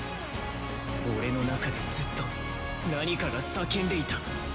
俺の中でずっと何かが叫んでいた。